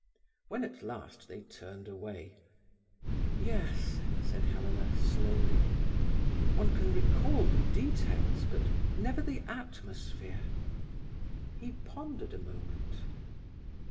When at last they turned away: "Yes," said Helena slowly; "one can recall the details, but never the atmosphere." He pondered a moment.